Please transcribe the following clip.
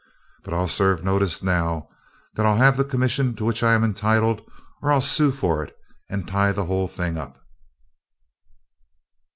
"But I'll serve notice now that I'll have the commission to which I'm entitled, or I'll sue for it and tie the whole thing up!"